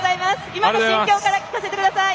今の心境から聞かせてください。